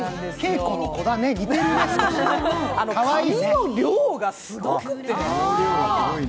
髪の量がすごくて。